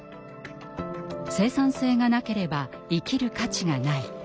「生産性がなければ生きる価値がない」。